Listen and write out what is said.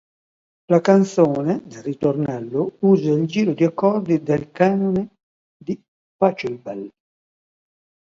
La canzone, nel ritornello, usa il giro di accordi del Canone di Pachelbel.